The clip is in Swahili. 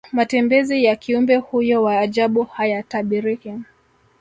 matembezi ya kiumbe huyo wa ajabu hayatabiriki